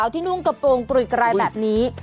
ที่นุ่งกระโปรงปริยกรายแบบนี้